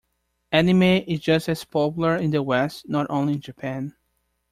Anime is just as popular in the west, not only in Japan.